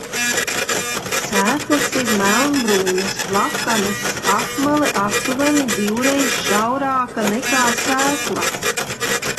Sēklas ir melnbrūnas, plakanas, apmale aptuveni divreiz šaurāka nekā sēkla.